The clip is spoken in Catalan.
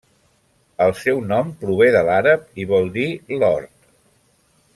El seu nom prové de l'àrab i vol dir l'hort.